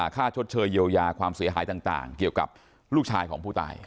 ชดเชยเยียวยาความเสียหายต่างเกี่ยวกับลูกชายของผู้ตาย